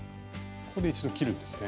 ここで一度切るんですね。